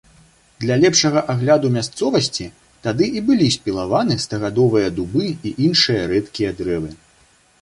Для лепшага агляду мясцовасці тады і былі спілаваны стагадовыя дубы і іншыя рэдкія дрэвы.